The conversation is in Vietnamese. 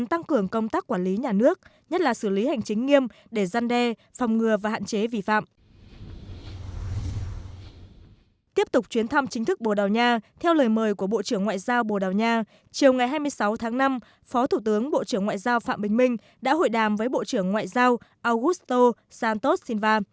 từ ngày hai mươi sáu tháng năm phó thủ tướng bộ trưởng ngoại giao phạm bình minh đã hội đàm với bộ trưởng ngoại giao augusto santos silva